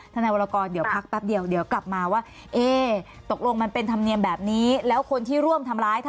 นายวรกรเดี๋ยวพักแป๊บเดียวเดี๋ยวกลับมาว่าเอ๊ะตกลงมันเป็นธรรมเนียมแบบนี้แล้วคนที่ร่วมทำร้าย